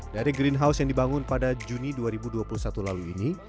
dari greenhouse yang dibangun pada juni dua ribu dua puluh satu lalu ini